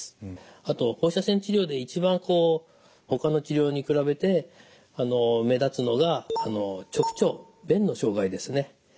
あと放射線治療で一番ほかの治療に比べて目立つのが直腸便の障害ですね。